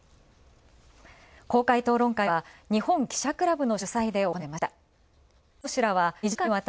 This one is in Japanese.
公開討論会は日本記者クラブの主催で行われました。